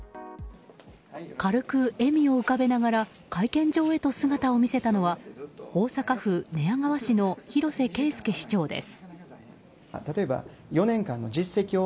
軽く笑みを浮かべながら会見場へと姿を見せたのは大阪府寝屋川市の広瀬慶輔市長です。